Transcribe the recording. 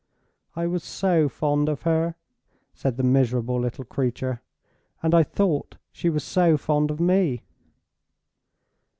"I was so fond of her!" said the miserable little creature; "and I thought she was so fond of Me!"